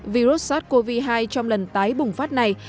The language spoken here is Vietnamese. virus sars cov hai trong lần tái bùng phát này